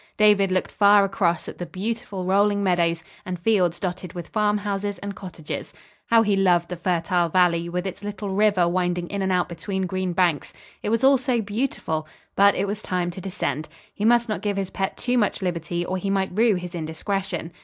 David looked far across at the beautiful rolling meadows, and fields dotted with farmhouses and cottages. How he loved the fertile valley, with its little river winding in and out between green banks! It was all so beautiful, but it was time to descend. He must not give his pet too much liberty, or he might rue his indiscretion.